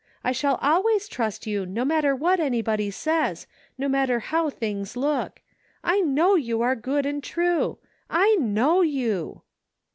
I shall always trust you no matter what anybody says, no matter how things look ! I know you are good and true I / know you!